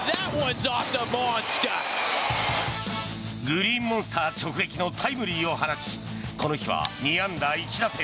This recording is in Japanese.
グリーンモンスター直撃のタイムリーを放ちこの日は２安打１打点。